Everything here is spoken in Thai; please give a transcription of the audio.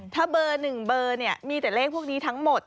ถ้าเบอร์๑เบอร์เนี่ยมีแต่เลขพวกนี้ทั้งหมด